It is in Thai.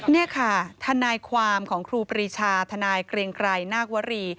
นี่ค่ะทนายความของครูปรีชาทนายเกรงไกรนาควรี